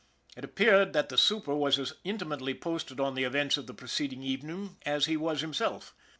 It appeared that the super was as intimately posted on the events of the preceding evening as he was himself.